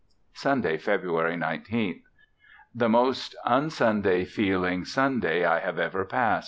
Sunday February 19th. The most un Sunday feeling Sunday I have ever past.